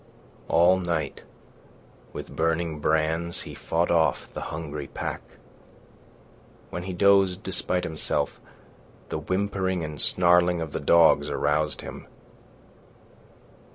All night, with burning brands, he fought off the hungry pack. When he dozed despite himself, the whimpering and snarling of the dogs aroused him.